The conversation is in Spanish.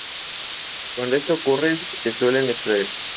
Cuando esto ocurre se suelen extraer.